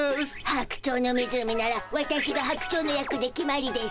「白鳥の湖」ならワタシが白鳥の役で決まりでしゅね。